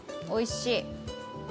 おいしい。